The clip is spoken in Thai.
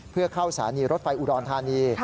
เพื่อเข้าสถานีรถไฟอุดรธานี